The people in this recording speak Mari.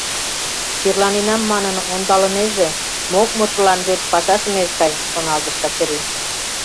«Черланенам манын, ондалынеже, мокмыржылан верч пашаш ынеж кай», — шоналтыш Качырий.